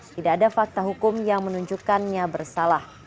tidak ada fakta hukum yang menunjukkannya bersalah